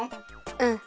うん。